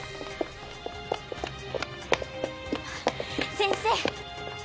先生！